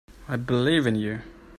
I believe in you.